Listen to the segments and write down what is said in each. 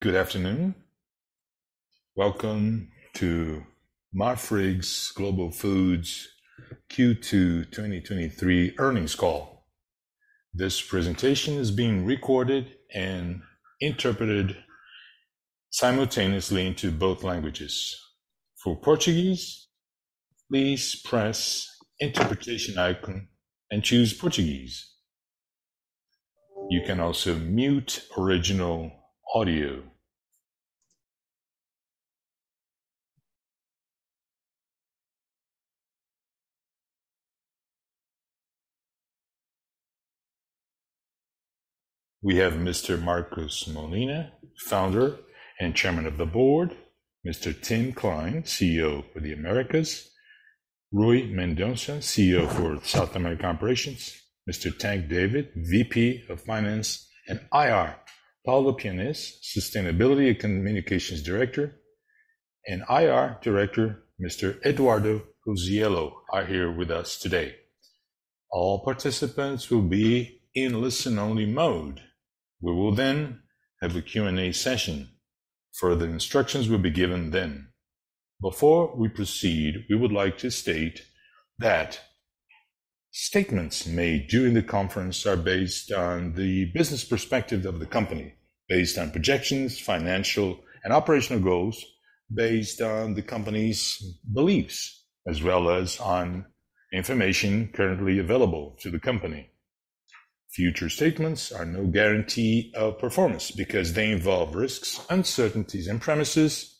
Good afternoon. Welcome to Marfrig Global Foods' Q2 2023 earnings call. This presentation is being recorded and interpreted simultaneously into both languages. For Portuguese, please press interpretation icon and choose Portuguese. You can also mute original audio. We have Mr. Marcos Molina, Founder and Chairman of the Board, Mr. Tim Klein, CEO for the Americas, Rui Mendonca, CEO for South American Operations, Mr. Tang David, VP of Finance and IR, Paulo Pianez, Sustainability and Communications Director, and IR Director, Mr. Eduardo Puzziello, are here with us today. All participants will be in listen-only mode. We will then have a Q&A session. Further instructions will be given then. Before we proceed, we would like to state that statements made during the conference are based on the business perspective of the company, based on projections, financial and operational goals, based on the company's beliefs, as well as on information currently available to the company. Future statements are no guarantee of performance because they involve risks, uncertainties and premises,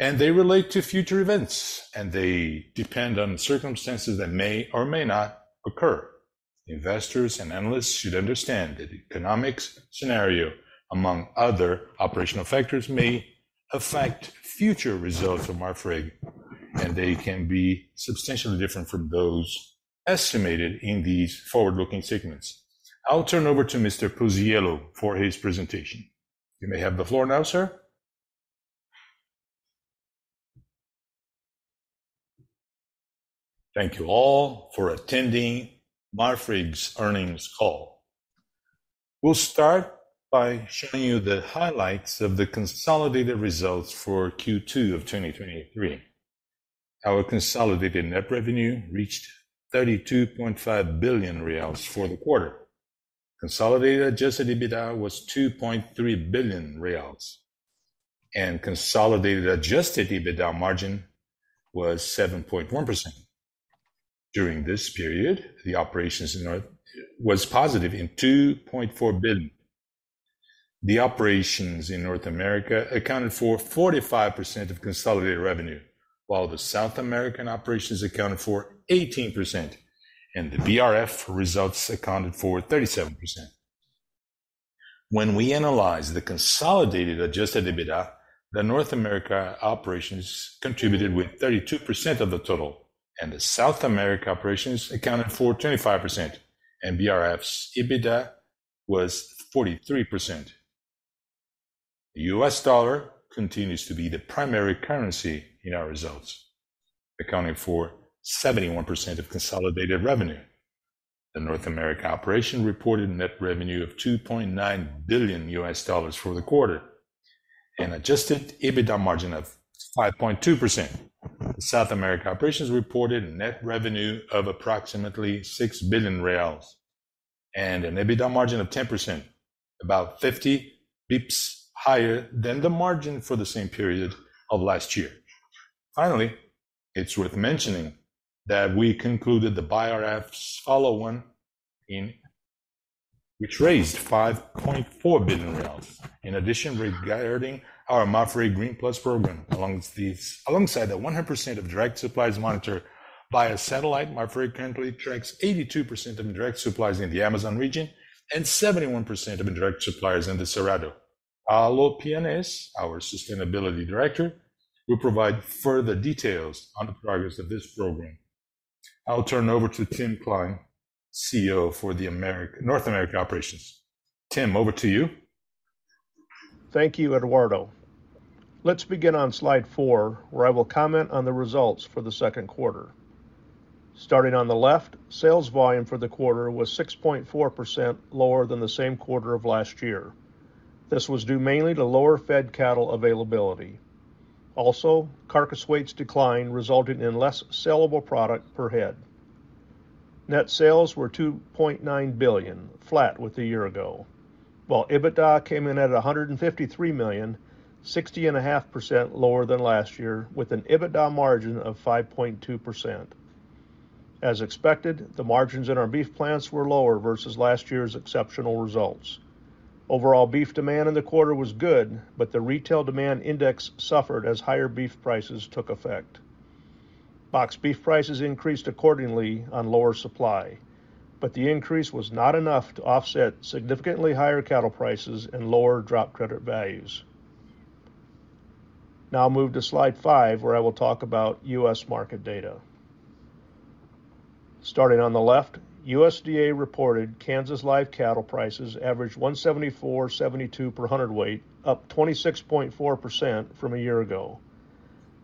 and they relate to future events, and they depend on circumstances that may or may not occur. Investors and analysts should understand that economics scenario, among other operational factors, may affect future results of Marfrig, and they can be substantially different from those estimated in these forward-looking statements. I'll turn over to Mr. Puzziello for his presentation. You may have the floor now, sir. Thank you all for attending Marfrig's earnings call. We'll start by showing you the highlights of the consolidated results for Q2 of 2023. Our consolidated net revenue reached 32.5 billion reais for the quarter. Consolidated Adjusted EBITDA was 2.3 billion reais, and consolidated Adjusted EBITDA margin was 7.1%. During this period, the operations was positive in 2.4 billion. The operations in North America accounted for 45% of consolidated revenue, while the South American operations accounted for 18%, and the BRF results accounted for 37%. When we analyze the consolidated Adjusted EBITDA, the North America operations contributed with 32% of the total, and the South America operations accounted for 25%, and BRF's EBITDA was 43%. The U.S. dollar continues to be the primary currency in our results, accounting for 71% of consolidated revenue. The North America operation reported net revenue of $2.9 billion for the quarter, an Adjusted EBITDA margin of 5.2%. South America operations reported net revenue of approximately 6 billion reais and an EBITDA margin of 10%, about 50 basis points higher than the margin for the same period of last year. Finally, it's worth mentioning that we concluded the BRF follow-on in... Which raised BRL 5.4 billion. In addition, regarding our Marfrig Green Plus Program, alongside the 100% of direct suppliers monitored via satellite, Marfrig currently tracks 82% of the direct suppliers in the Amazon and 71% of the direct suppliers in the Cerrado. Paulo Pianez, our Sustainability Director, will provide further details on the progress of this program. I'll turn over to Tim Klein, CEO for the North American Operations. Tim, over to you. Thank you, Eduardo. Let's begin on Slide four, where I will comment on the results for the second quarter. Starting on the left, sales volume for the quarter was 6.4% lower than the same quarter of last year. This was due mainly to lower fed cattle availability. Also, carcass weights decline, resulting in less sellable product per head. Net sales were $2.9 billion, flat with a year ago, while EBITDA came in at $153 million, 60.5% lower than last year, with an EBITDA margin of 5.2%. As expected, the margins in our beef plants were lower versus last year's exceptional results. Overall, beef demand in the quarter was good, but the retail demand index suffered as higher beef prices took effect. Box beef prices increased accordingly on lower supply, but the increase was not enough to offset significantly higher cattle prices and lower drop credit values. I'll move to Slide five, where I will talk about U.S. market data. Starting on the left, USDA reported Kansas live cattle prices averaged $174.72 per hundredweight, up 26.4% from a year ago.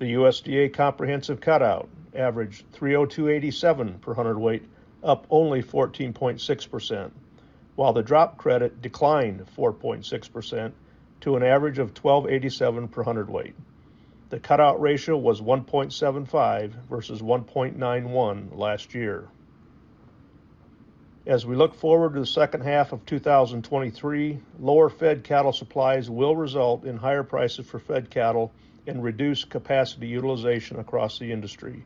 The USDA comprehensive cutout averaged $302.87 per hundredweight, up only 14.6%, while the drop credit declined 4.6% to an average of $12.87 per hundredweight. The cutout ratio was 1.75 versus 1.91 last year. As we look forward to the second half of 2023, lower fed cattle supplies will result in higher prices for fed cattle and reduce capacity utilization across the industry.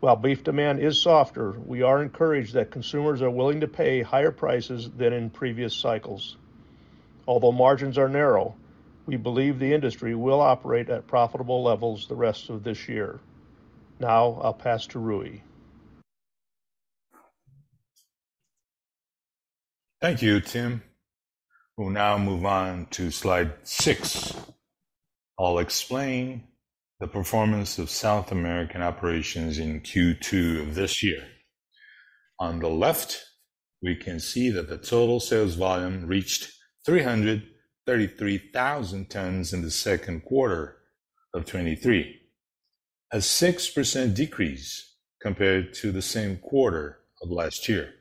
While beef demand is softer, we are encouraged that consumers are willing to pay higher prices than in previous cycles. Although margins are narrow, we believe the industry will operate at profitable levels the rest of this year. Now I'll pass to Rui. Thank you, Tim. We'll now move on to Slide six. I'll explain the performance of South American operations in Q2 of this year. On the left, we can see that the total sales volume reached 333,000 tons in the second quarter of 2023, a 6% decrease compared to the same quarter of last year.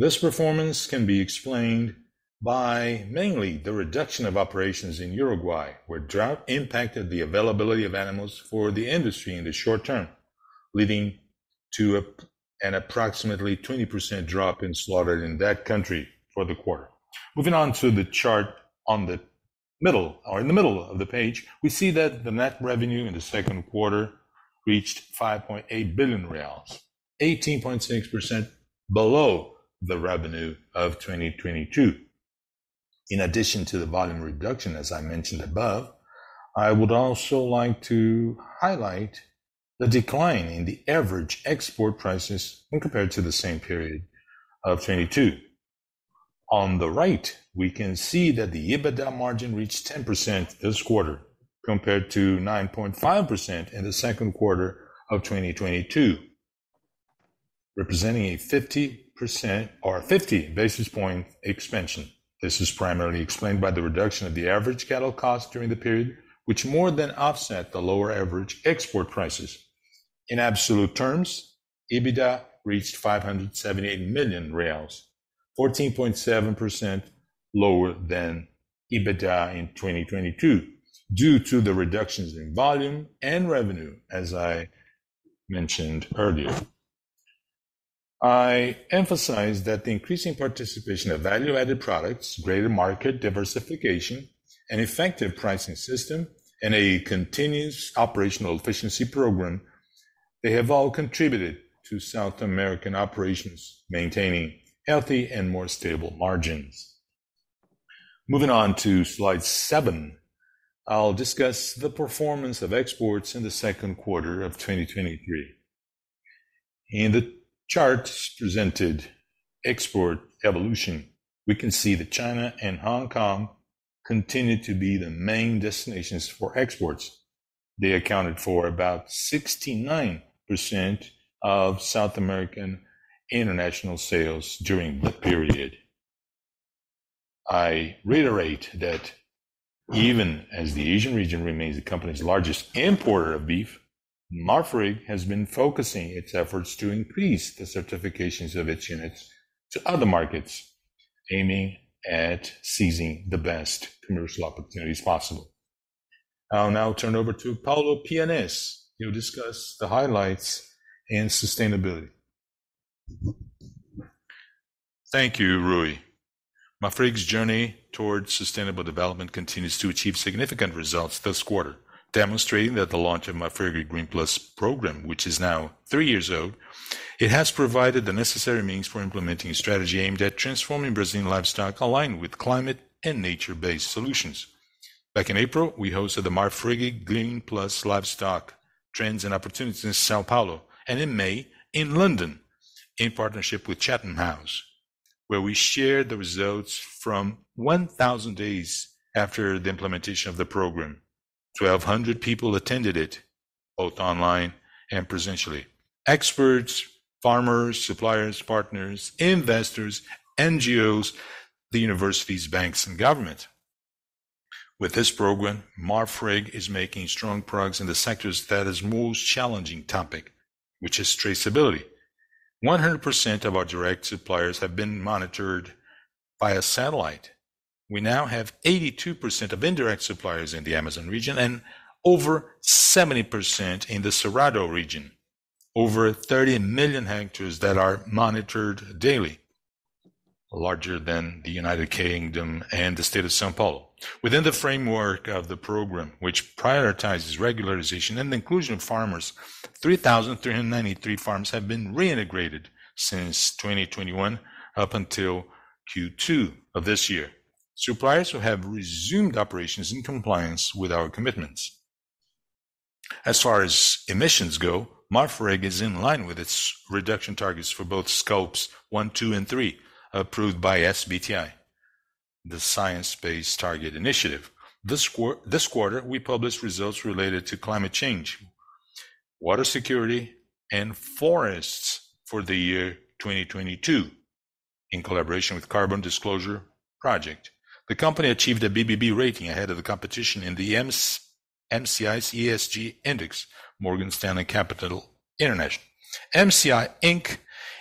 This performance can be explained by mainly the reduction of operations in Uruguay, where drought impacted the availability of animals for the industry in the short term, leading to an approximately 20% drop in slaughter in that country for the quarter. Moving on to the chart on the middle, or in the middle of the page, we see that the net revenue in the second quarter reached 5.8 billion reais, 18.6% below the revenue of 2022. In addition to the volume reduction, as I mentioned above, I would also like to highlight the decline in the average export prices when compared to the same period of 2022. On the right, we can see that the EBITDA margin reached 10% this quarter, compared to 9.5% in the 2Q of 2022, representing a 50% or 50 basis point expansion. This is primarily explained by the reduction of the average cattle cost during the period, which more than offset the lower average export prices. In absolute terms, EBITDA reached 578 million reais, 14.7% lower than EBITDA in 2022, due to the reductions in volume and revenue, as I mentioned earlier. I emphasize that the increasing participation of value-added products, greater market diversification, an effective pricing system, and a continuous operational efficiency program, they have all contributed to South American operations maintaining healthy and more stable margins. Moving on to Slide seven, I'll discuss the performance of exports in the second quarter of 2023. In the charts presented, export evolution, we can see that China and Hong Kong continued to be the main destinations for exports. They accounted for about 69% of South American international sales during the period. I reiterate that even as the Asian region remains the company's largest importer of beef, Marfrig has been focusing its efforts to increase the certifications of its units to other markets, aiming at seizing the best commercial opportunities possible. I'll now turn over to Paulo Pianez. He'll discuss the highlights and sustainability. Thank you, Rui. Marfrig's journey towards sustainable development continues to achieve significant results this quarter, demonstrating that the launch of Marfrig Green Plus Program, which is now 3 years old, it has provided the necessary means for implementing a strategy aimed at transforming Brazilian livestock aligned with climate and nature-based solutions. Back in April, we hosted the Marfrig Green Plus Livestock Trends and Opportunities in São Paulo, and in May, in London, in partnership with Chatham House, where we shared the results from 1,000 days after the implementation of the program. 1,200 people attended it, both online and presentially. Experts, farmers, suppliers, partners, investors, NGOs, the universities, banks, and government. With this program, Marfrig is making strong progress in the sectors that is most challenging topic, which is traceability. 100% of our direct suppliers have been monitored via satellite. We now have 82% of indirect suppliers in the Amazon region and over 70% in the Cerrado region. Over 30 million hectares that are monitored daily, larger than the United Kingdom and the state of São Paulo. Within the framework of the program, which prioritizes regularization and inclusion of farmers, 3,393 farms have been reintegrated since 2021 up until Q2 of this year. Suppliers who have resumed operations in compliance with our commitments. As far as emissions go, Marfrig is in line with its reduction targets for both scopes 1, 2, and 3, approved by SBTi, the Science Based Targets Initiative. This quarter, we published results related to climate change, water security and forests for the year 2022, in collaboration with Carbon Disclosure Project. The company achieved a BBB rating ahead of the competition in the MSCI ESG Index, Morgan Stanley Capital International. MSCI Inc.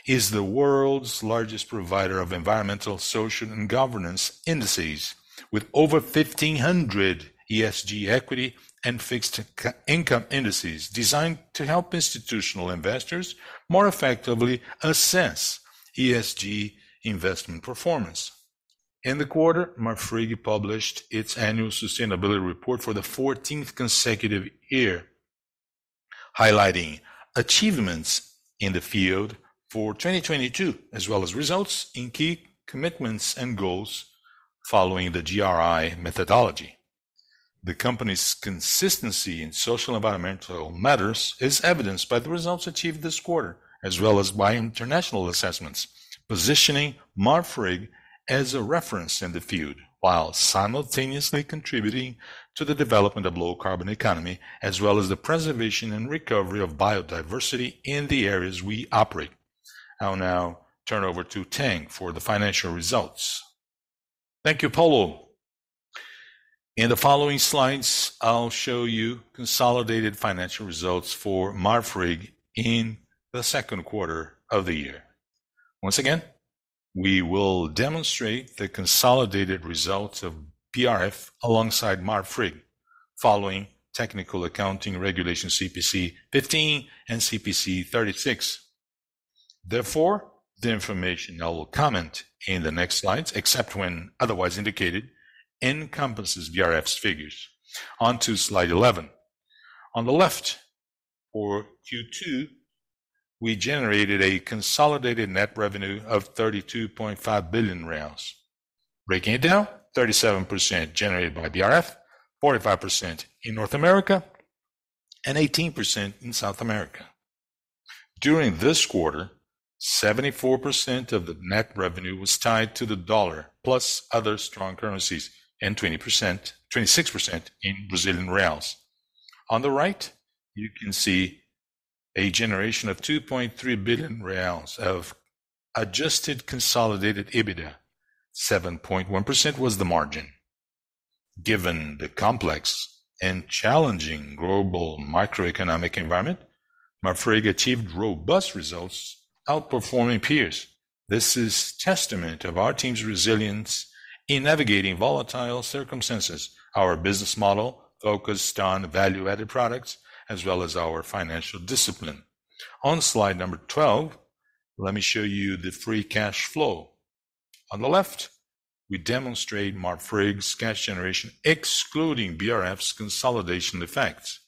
is the world's largest provider of environmental, social, and governance indices, with over 1,500 ESG equity and fixed income indices designed to help institutional investors more effectively assess ESG investment performance. In the quarter, Marfrig published its annual sustainability report for the 14th consecutive year, highlighting achievements in the field for 2022, as well as results in key commitments and goals following the GRI methodology. The company's consistency in social and environmental matters is evidenced by the results achieved this quarter, as well as by international assessments, positioning Marfrig as a reference in the field, while simultaneously contributing to the development of low-carbon economy, as well as the preservation and recovery of biodiversity in the areas we operate. I'll now turn over to Tang for the financial results. Thank you, Paulo. In the following slides, I'll show you consolidated financial results for Marfrig in the second quarter of the year. Once again, we will demonstrate the consolidated results of BRF alongside Marfrig, following technical accounting regulation CPC 15 and CPC 36. Therefore, the information I will comment in the next Slides, except when otherwise indicated, encompasses BRF's figures. On to Slide 11. On the left, for Q2, we generated a consolidated net revenue of 32.5 billion. Breaking it down, 37% generated by BRF, 45% in North America, and 18% in South America. During this quarter, 74% of the net revenue was tied to the dollar, plus other strong currencies, and 26% in Brazilian reals. On the right, you can see a generation of 2.3 billion reais of Adjusted consolidated EBITDA. 7.1% was the margin. Given the complex and challenging global macroeconomic environment, Marfrig achieved robust results, outperforming peers. This is testament of our team's resilience in navigating volatile circumstances, our business model focused on value-added products, as well as our financial discipline. On Slide 12, let me show you the free cash flow. On the left, we demonstrate Marfrig's cash generation, excluding BRF's consolidation effects.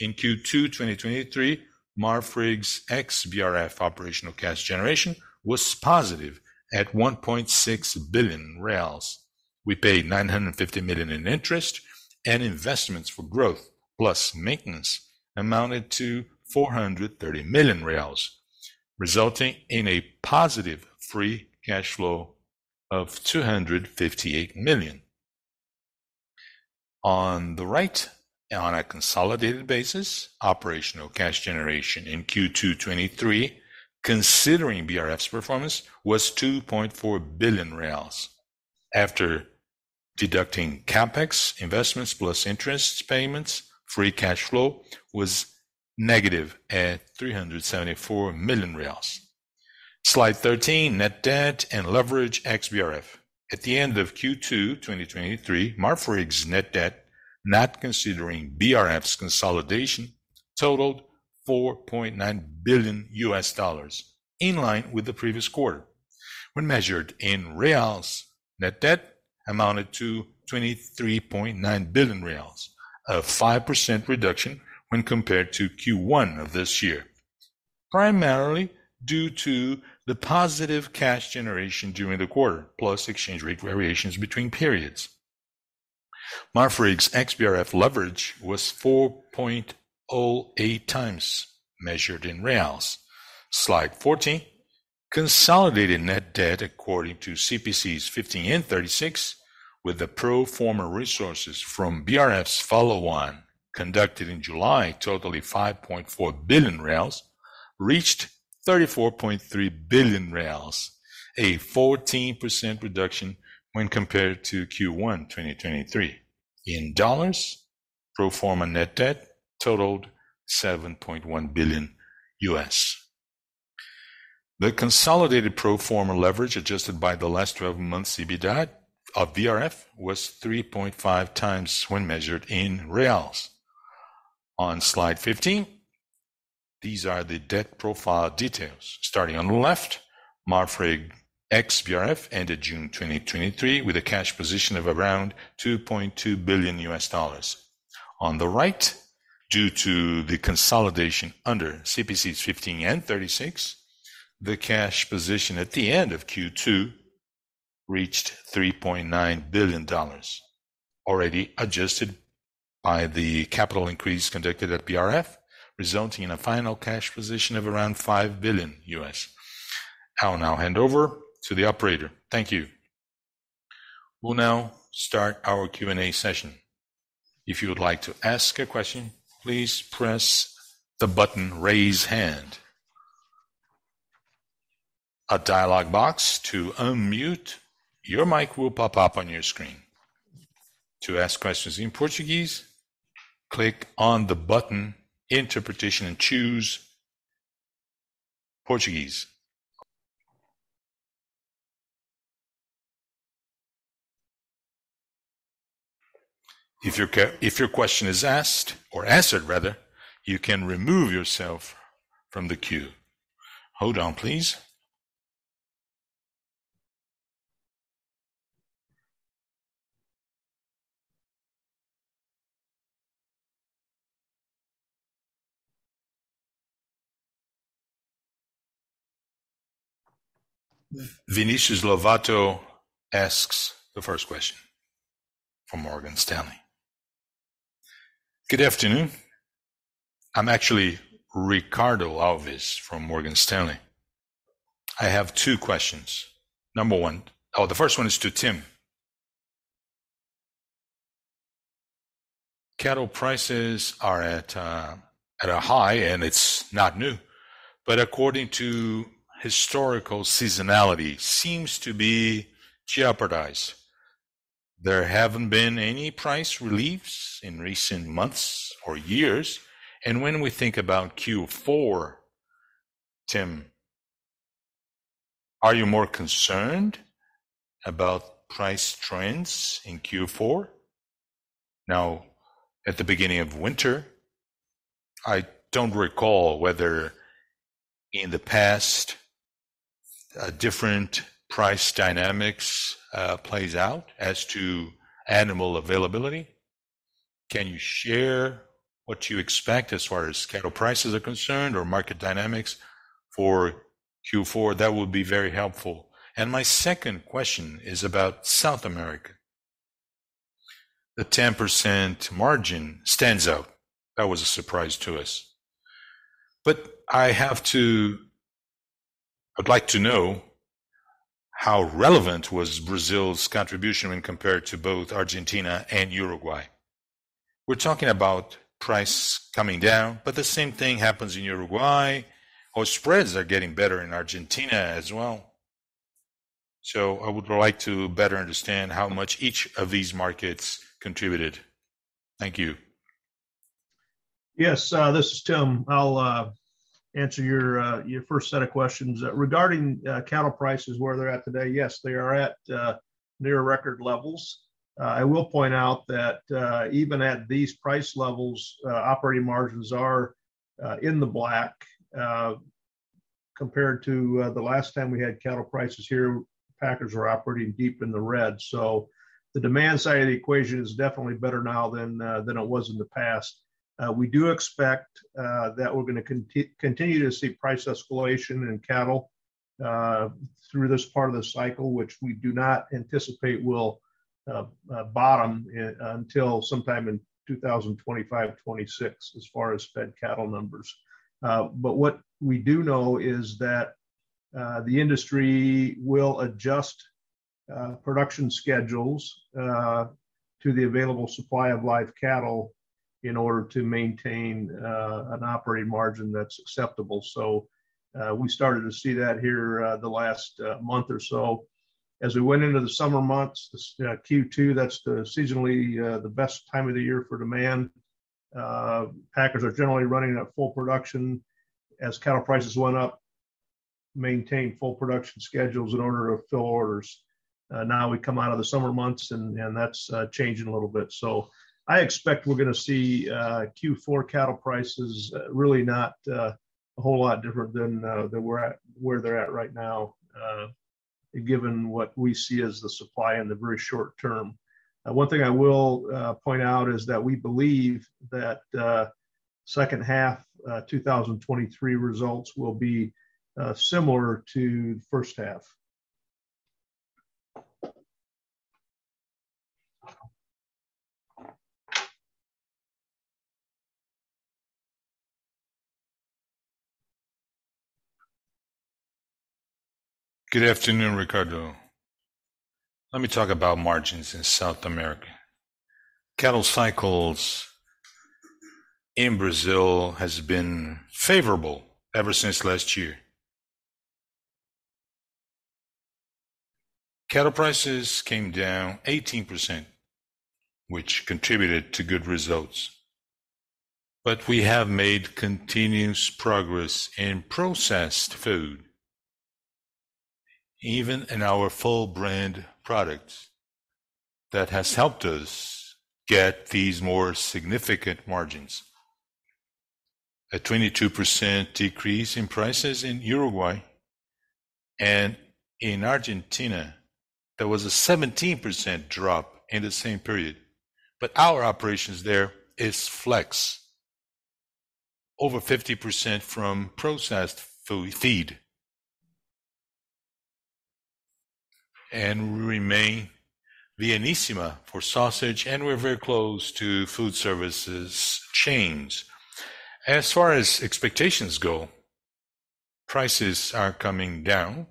In Q2 2023, Marfrig's ex-BRF operational cash generation was positive at 1.6 billion reais. We paid 950 million in interest and investments for growth, plus maintenance amounted to 430 million reais, resulting in a positive free cash flow of 258 million. On the right, on a consolidated basis, operational cash generation in Q2 2023, considering BRF's performance, was 2.4 billion reais. After deducting CapEx, investments, plus interest payments, free cash flow was negative at 374 million reais. Slide 13, net debt and leverage ex-BRF. At the end of Q2 2023, Marfrig's net debt, not considering BRF's consolidation, totaled $4.9 billion, in line with the previous quarter. When measured in BRL, net debt amounted to 23.9 billion reais, a 5% reduction when compared to Q1 of this year, primarily due to the positive cash generation during the quarter, plus exchange rate variations between periods. Marfrig's ex-BRF leverage was 4.08x measured in BRL. Slide 14, consolidated net debt according to CPCs 15 and 36, with the pro forma resources from BRF's follow-on, conducted in July, totaling 5.4 billion, reached 34.3 billion, a 14% reduction when compared to Q1 2023. In dollars, pro forma net debt totaled $7.1 billion. The consolidated pro forma leverage, adjusted by the last twelve-month EBITDA of BRF, was 3.5x when measured in BRL. On Slide 15, these are the debt profile details. Starting on the left, Marfrig ex-BRF ended June 2023 with a cash position of around $2.2 billion. On the right, due to the consolidation under CPC 15 and 36, the cash position at the end of Q2 reached $3.9 billion, already adjusted by the capital increase conducted at BRF, resulting in a final cash position of around $5 billion. I will now hand over to the operator. Thank you. We'll now start our Q&A session. If you would like to ask a question, please press the button, Raise Hand. A dialog box to unmute your mic will pop up on your screen. To ask questions in Portuguese, click on the button Interpretation, and choose Portuguese. If your question is asked, or answered, rather, you can remove yourself from the queue. Hold on, please. Vinicius Lovato asks the first question from Morgan Stanley. Good afternoon. I'm actually Ricardo Alves from Morgan Stanley. I have two questions. Number one... Oh, the first one is to Tim. Cattle prices are at a high, and it's not new, but according to historical seasonality, seems to be jeopardized. There haven't been any price reliefs in recent months or years, and when we think about Q4, Tim, are you more concerned about price trends in Q4? Now, at the beginning of winter, I don't recall whether in the past, different price dynamics plays out as to animal availability. Can you share what you expect as far as cattle prices are concerned or market dynamics for Q4? That would be very helpful. My second question is about South America. The 10% margin stands out. That was a surprise to us. I'd like to know, how relevant was Brazil's contribution when compared to both Argentina and Uruguay? We're talking about prices coming down, but the same thing happens in Uruguay, or spreads are getting better in Argentina as well. I would like to better understand how much each of these markets contributed. Thank you. Yes, this is Tim. I'll answer your first set of questions. Regarding cattle prices, where they're at today, yes, they are at near record levels. I will point out that even at these price levels, operating margins are in the black, compared to the last time we had cattle prices here, packers were operating deep in the red. The demand side of the equation is definitely better now than it was in the past. We do expect that we're gonna continue to see price escalation in cattle, through this part of the cycle, which we do not anticipate will bottom until sometime in 2025-2026, as far as fed cattle numbers. What we do know is that the industry will adjust production schedules to the available supply of live cattle in order to maintain an operating margin that's acceptable. We started to see that here the last month or so. As we went into the summer months, this Q2, that's the seasonally the best time of the year for demand, packers are generally running at full production as cattle prices went up, maintain full production schedules in order to fill orders. Now we come out of the summer months and, and that's changing a little bit. I expect we're gonna see Q4 cattle prices really not a whole lot different than than where at, where they're at right now, given what we see as the supply in the very short term. One thing I will point out is that we believe that second half 2023 results will be similar to first half. Good afternoon, Ricardo. Let me talk about margins in South America. Cattle cycles in Brazil has been favorable ever since last year. Cattle prices came down 18%, which contributed to good results, but we have made continuous progress in processed food, even in our full brand products. That has helped us get these more significant margins. A 22% decrease in prices in Uruguay, and in Argentina, there was a 17% drop in the same period, but our operations there is flex. Over 50% from processed food feed, and we remain the Vieníssima for sausage, and we're very close to food services chains. As far as expectations go, prices are coming down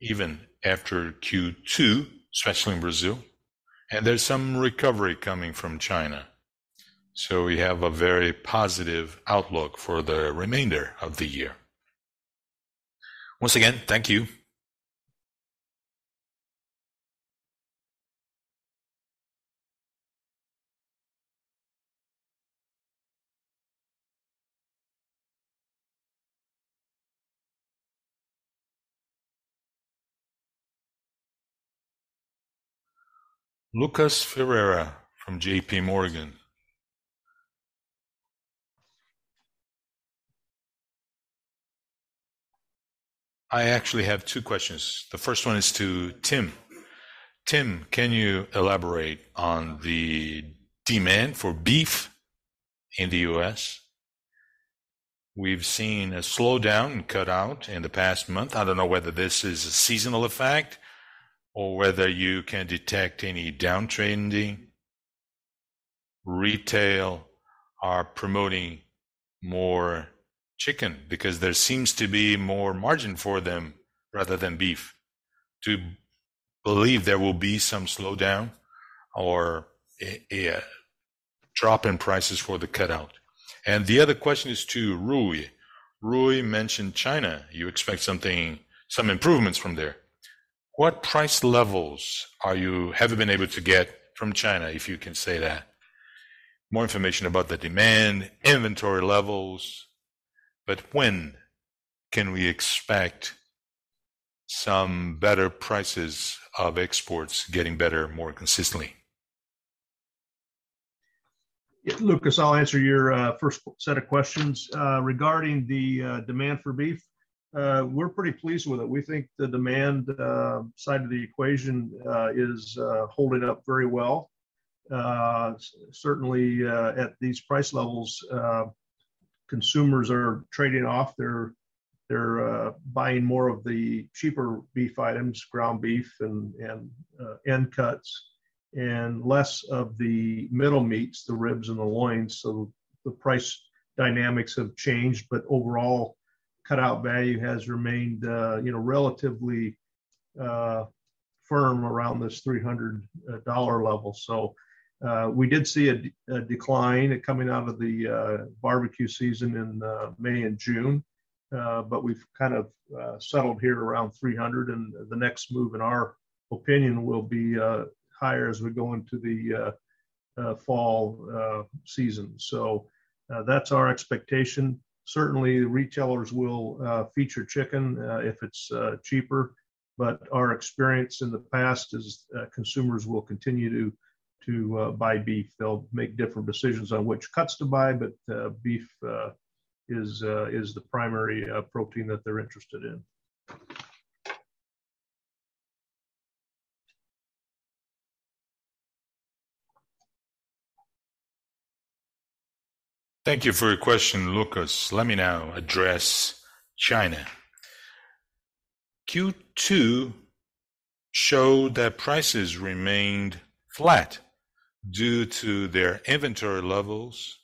even after Q2, especially in Brazil, and there's some recovery coming from China. We have a very positive outlook for the remainder of the year. Once again, thank you. Lucas Ferreira from J.P. Morgan. I actually have two questions. The first one is to Tim. Tim, can you elaborate on the demand for beef in the U.S.? We've seen a slowdown in cutout in the past month. I don't know whether this is a seasonal effect, or whether you can detect any downtrending. Retail are promoting more chicken because there seems to be more margin for them, rather than beef, to believe there will be some slowdown or a drop in prices for the cutout. The other question is to Rui. Rui mentioned China, you expect something, some improvements from there. What price levels are you, have you been able to get from China, if you can say that? More information about the demand, inventory levels, but when can we expect some better prices of exports getting better, more consistently? Yeah, Lucas, I'll answer your first set of questions. Regarding the demand for beef, we're pretty pleased with it. We think the demand side of the equation is holding up very well. Certainly, at these price levels, consumers are trading off, they're, they're buying more of the cheaper beef items, ground beef and, and end cuts, and less of the middle meats, the ribs and the loins. The price dynamics have changed, but overall, cutout value has remained, you know, relatively firm around this $300 level. We did see a decline coming out of the barbecue season in May and June, but we've kind of settled here around 300, and the next move, in our opinion, will be higher as we go into the fall season. That's our expectation. Certainly, retailers will feature chicken, if it's cheaper, but our experience in the past is consumers will continue to buy beef. They'll make different decisions on which cuts to buy, but beef is the primary protein that they're interested in. Thank you for your question, Lucas. Let me now address China. Q2 showed that prices remained flat due to their inventory levels,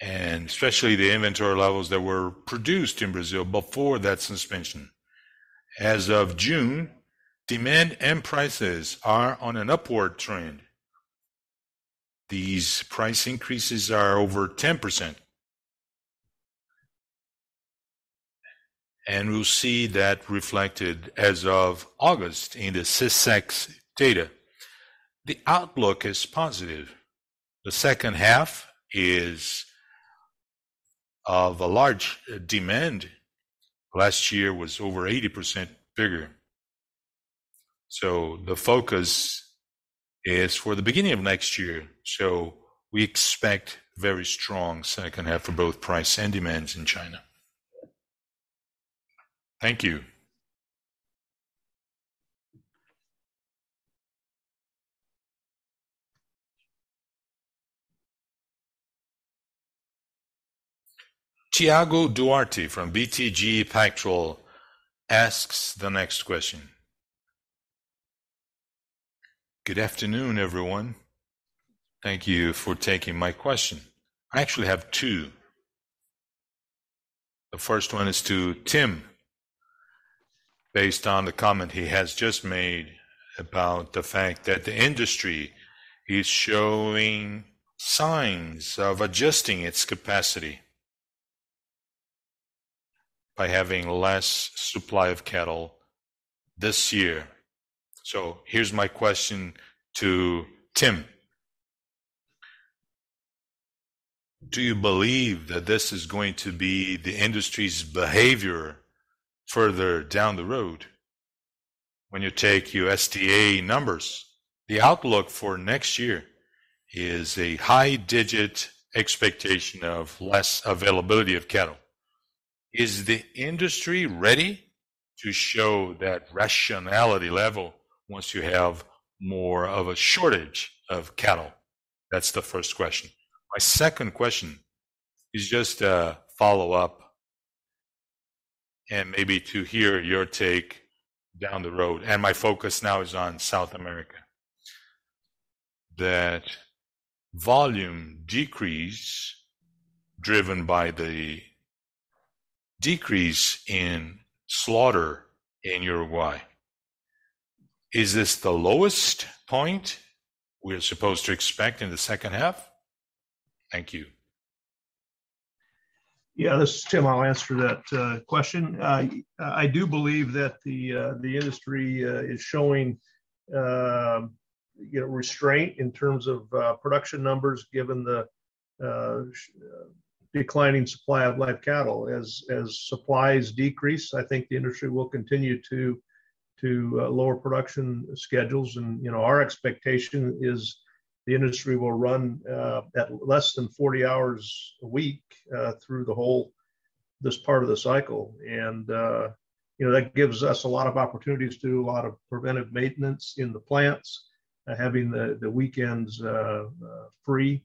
and especially the inventory levels that were produced in Brazil before that suspension. As of June, demand and prices are on an upward trend. These price increases are over 10%, and we'll see that reflected as of August in the SECEX data. The outlook is positive. The second half is the large demand. Last year was over 80% bigger. The focus is for the beginning of next year. We expect very strong second half for both price and demands in China. Thank you. Thiago Duarte from BTG Pactual asks the next question. Good afternoon, everyone. Thank you for taking my question. I actually have two. The first one is to Tim, based on the comment he has just made about the fact that the industry is showing signs of adjusting its capacity by having less supply of cattle this year. Here's my question to Tim: Do you believe that this is going to be the industry's behavior further down the road when you take USDA numbers? The outlook for next year is a high-digit expectation of less availability of cattle. Is the industry ready to show that rationality level once you have more of a shortage of cattle? That's the first question. My second question is just a follow-up-... and maybe to hear your take down the road, and my focus now is on South America. That volume decrease, driven by the decrease in slaughter in Uruguay, is this the lowest point we're supposed to expect in the second half? Thank you. Yeah, this is Tim. I'll answer that question. I, I do believe that the industry is showing, you know, restraint in terms of production numbers, given the declining supply of live cattle. As, as supplies decrease, I think the industry will continue to, to lower production schedules. You know, our expectation is the industry will run at less than 40 hours a week through the whole, this part of the cycle. You know, that gives us a lot of opportunities to do a lot of preventive maintenance in the plants, having the, the weekends, free.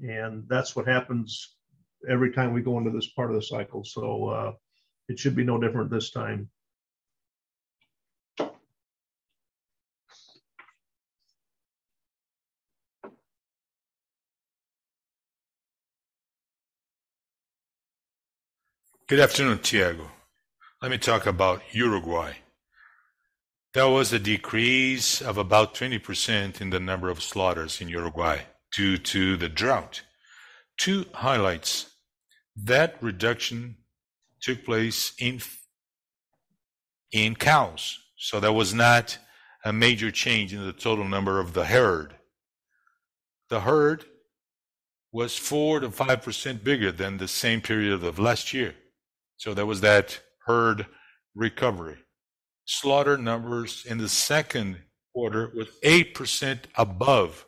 That's what happens every time we go into this part of the cycle. It should be no different this time. Good afternoon, Thiago. Let me talk about Uruguay. There was a decrease of about 20% in the number of slaughters in Uruguay due to the drought. Two highlights: That reduction took place in cows, there was not a major change in the total number of the herd. The herd was 4%-5% bigger than the same period of last year, there was that herd recovery. Slaughter numbers in the second quarter were 8% above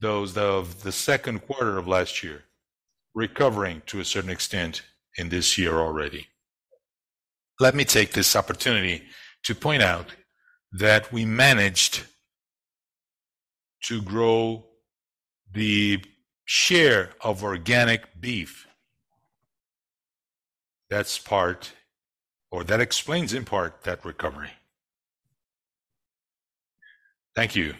those of the second quarter of last year, recovering to a certain extent in this year already. Let me take this opportunity to point out that we managed to grow the share of organic beef. That's part, or that explains in part, that recovery. Thank you.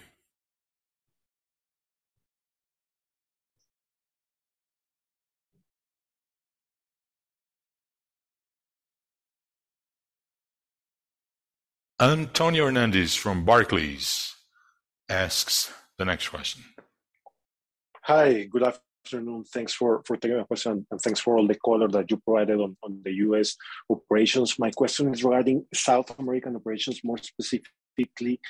Antonio Hernandez from Barclays asks the next question. Hi, good afternoon. Thanks for taking my question, and thanks for all the color that you provided on the U.S. operations. My question is regarding South American operations, more specifically,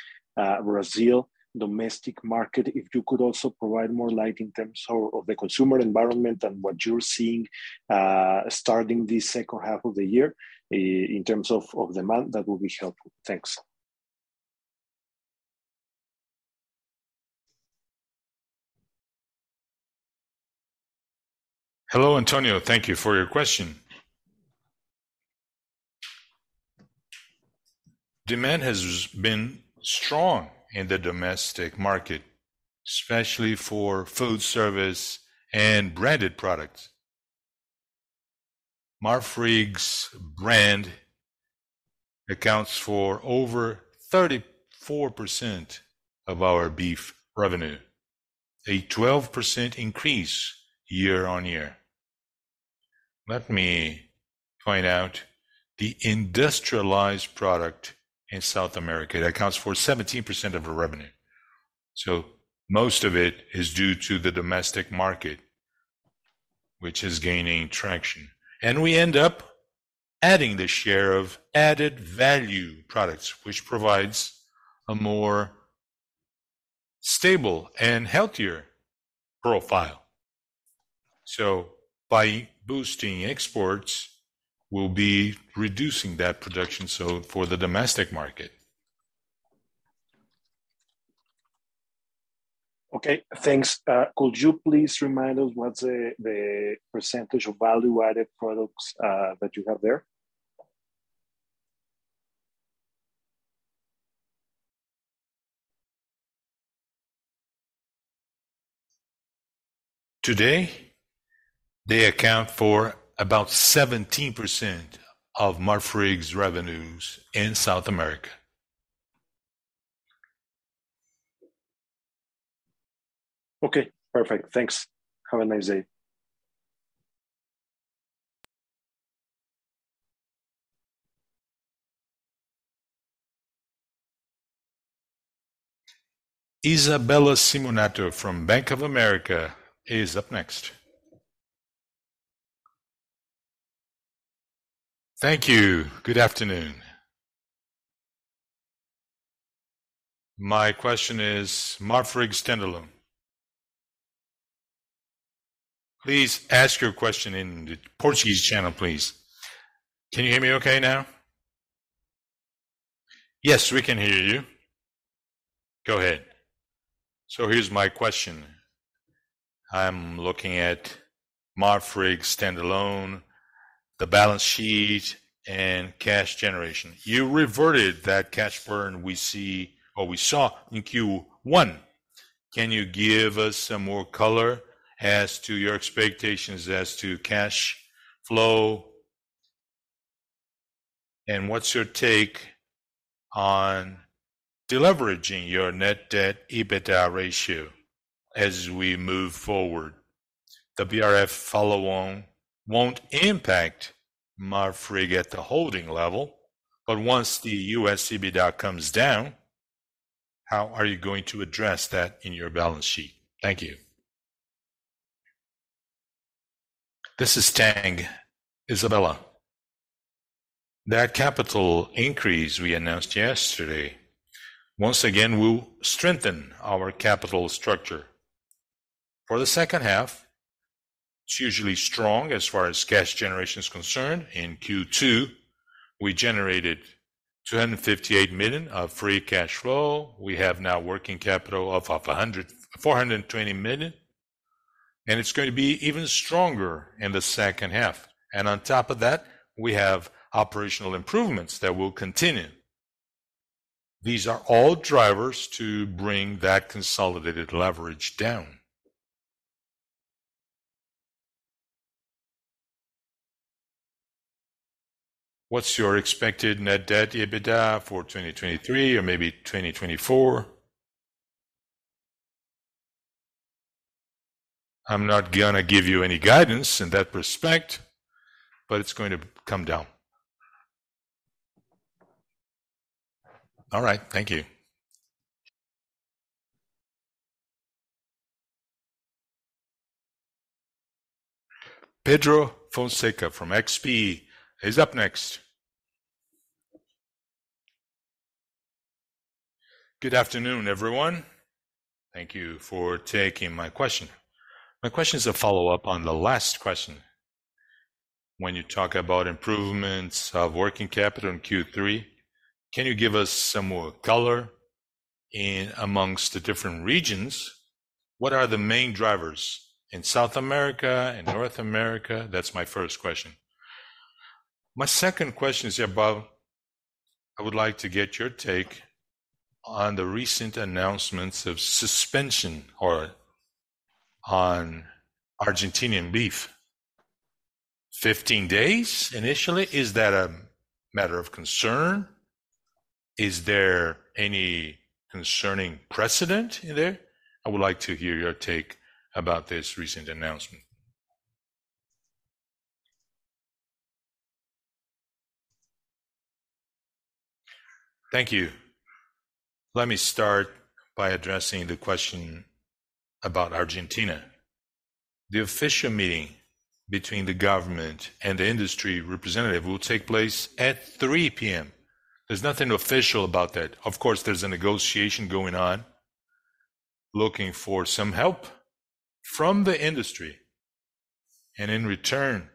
Brazil domestic market. If you could also provide more light in terms of the consumer environment and what you're seeing, starting this second half of the year, in terms of demand, that would be helpful. Thanks. Hello, Antonio. Thank you for your question. Demand has been strong in the domestic market, especially for food service and branded products. Marfrig's brand accounts for over 34% of our beef revenue, a 12% increase year-on-year. Let me point out, the industrialized product in South America, that accounts for 17% of our revenue, most of it is due to the domestic market, which is gaining traction. We end up adding the share of added-value products, which provides a more stable and healthier profile. By boosting exports, we'll be reducing that production, so for the domestic market. Okay, thanks. Could you please remind us what's the, the % of value-added products that you have there? Today, they account for about 17% of Marfrig's revenues in South America. Okay, perfect. Thanks. Have a nice day. Isabella Simonato from Bank of America is up next. Thank you. Good afternoon. My question is, Marfrig standalone- Please ask your question in the Portuguese channel, please. Can you hear me okay now? Yes, we can hear you. Go ahead. Here's my question: I'm looking at Marfrig standalone, the balance sheet and cash generation. You reverted that cash burn we see, or we saw, in Q1. Can you give us some more color? As to your expectations as to cash flow, and what's your take on deleveraging your net debt EBITDA ratio as we move forward? The BRF follow-on won't impact Marfrig at the holding level, but once the U.S. EBITDA comes down, how are you going to address that in your balance sheet? Thank you. This is Tang, Isabella. That capital increase we announced yesterday, once again, will strengthen our capital structure. For the second half, it's usually strong as far as cash generation is concerned. In Q2, we generated $258 million of Free cash flow. We have now Working capital of $420 million, and it's going to be even stronger in the second half. On top of that, we have operational improvements that will continue. These are all drivers to bring that consolidated Leverage down. What's your expected Net debt EBITDA for 2023 or maybe 2024? I'm not gonna give you any guidance in that respect, but it's going to come down. All right. Thank you. Pedro Fonseca from XP is up next. Good afternoon, everyone. Thank you for taking my question. My question is a follow-up on the last question. When you talk about improvements of working capital in Q3, can you give us some more color in amongst the different regions? What are the main drivers in South America, in North America? That's my first question. My second question. I would like to get your take on the recent announcements of suspension or on Argentinian beef. 15 days initially, is that a matter of concern? Is there any concerning precedent in there? I would like to hear your take about this recent announcement. Thank you. Let me start by addressing the question about Argentina. The official meeting between the government and the industry representative will take place at 3:00 P.M. There's nothing official about that. Of course, there's a negotiation going on, looking for some help from the industry, and in return,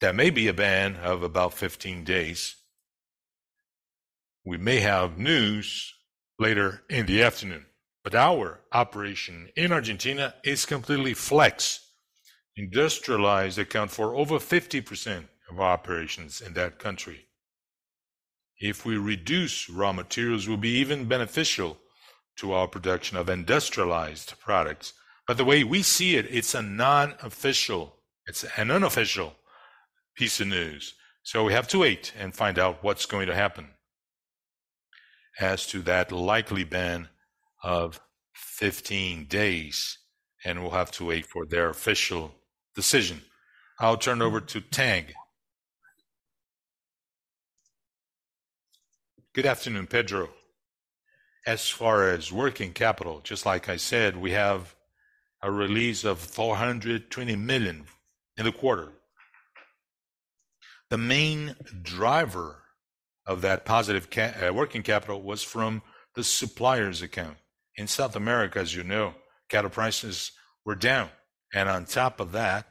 there may be a ban of about 15 days. We may have news later in the afternoon, our operation in Argentina is completely flex. Industrialized account for over 50% of our operations in that country. If we reduce raw materials, will be even beneficial to our production of industrialized products. The way we see it, it's an unofficial piece of news, so we have to wait and find out what's going to happen as to that likely ban of 15 days, and we'll have to wait for their official decision. I'll turn over to Tang. Good afternoon, Pedro. As far as working capital, just like I said, we have a release of 420 million in the quarter. The main driver of that positive working capital was from the suppliers account. In South America, as you know, cattle prices were down. On top of that,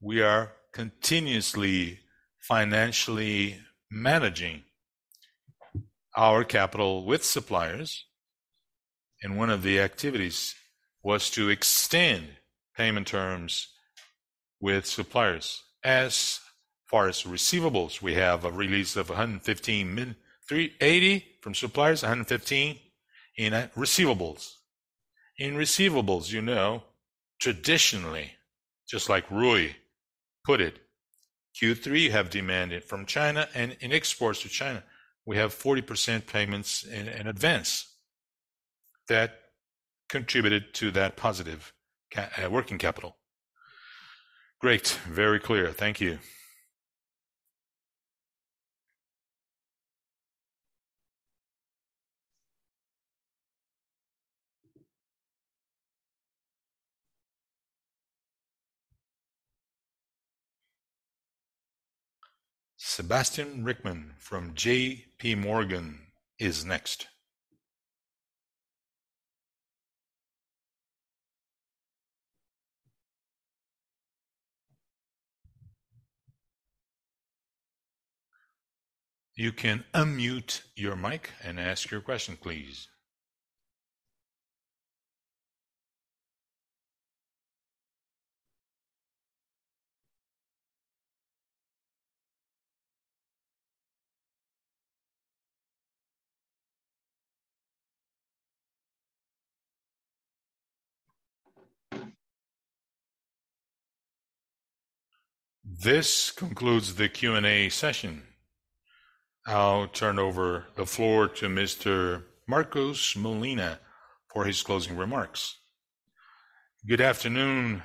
we are continuously financially managing our capital with suppliers. One of the activities was to extend payment terms with suppliers. As far as receivables, we have a release of $115 million. $380 from suppliers, $115 in receivables. In receivables, you know, traditionally, just like Rui put it, Q3 have demanded from China and in exports to China, we have 40% payments in, in advance. That contributed to that positive working capital. Great. Very clear. Thank you. Sebastian Rickman from J.P. Morgan is next. You can unmute your mic and ask your question, please. This concludes the Q&A session. I'll turn over the floor to Mr. Marcos Molina for his closing remarks. Good afternoon,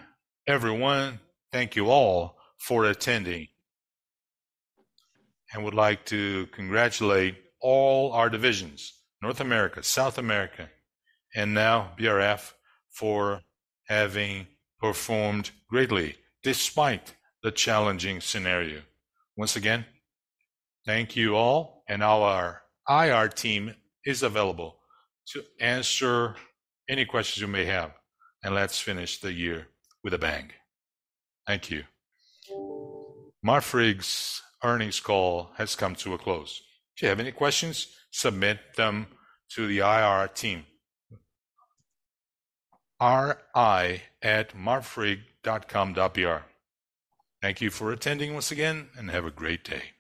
everyone. Thank you all for attending. I would like to congratulate all our divisions, North America, South America, and now BRF, for having performed greatly despite the challenging scenario. Once again, thank you all, and our IR team is available to answer any questions you may have, and let's finish the year with a bang. Thank you. Marfrig's earnings call has come to a close. If you have any questions, submit them to the IR team, ri@marfrig.com.br. Thank you for attending once again, and have a great day.